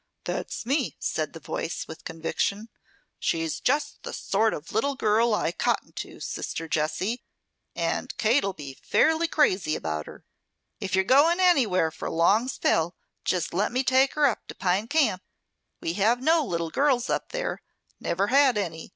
"That's me," said the voice, with conviction. "She's just the sort of little girl I cotton to, sister Jessie. And Kate'll be fairly crazy about her. If you're going anywhere for a long spell, just let me take her up to Pine Camp. We have no little girls up there, never had any.